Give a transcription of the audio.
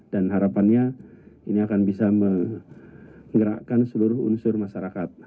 dan harapannya ini akan bisa menggerakkan seluruh unsur masyarakat